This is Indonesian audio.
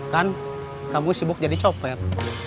kan kamu sibuk jadi copet